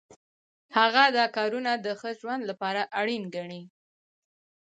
هغه دا کارونه د ښه ژوند لپاره اړین ګڼي.